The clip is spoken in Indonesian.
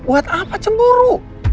buat apa cemburu